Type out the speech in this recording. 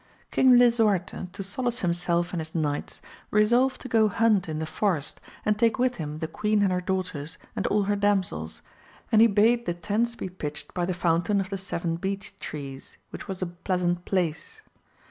ING LISUAETE, to solace himself and his knights, resolved to go hunt in the forest and take with him the queen and her iUbUghters and all her damsels, and he bade the tents 256 AMADIS OF GAUL be pitched by the fountain of the Seven Beech Trees, which was a pleasant place.